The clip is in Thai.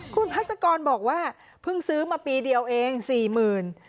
คุณฮัศกรบอกว่าเพิ่งซื้อมาปีเดียวเอง๔๐๐๐๐บาท